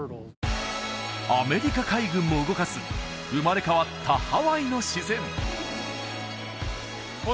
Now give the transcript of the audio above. アメリカ海軍も動かす生まれ変わったハワイの自然